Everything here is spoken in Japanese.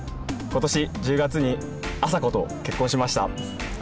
今年１０月にあさこと結婚しました。